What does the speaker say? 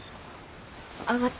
上がって。